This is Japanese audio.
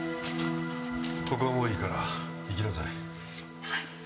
ここはもういいから行きなさい。